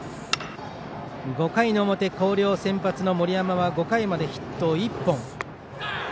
５回の表広陵、先発の森山は５回までヒット１本。